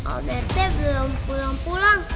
om rt belum pulang pulang